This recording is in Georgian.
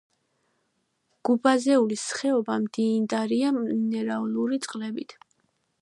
გუბაზეულის ხეობა მდიდარია მინერალური წყლებით.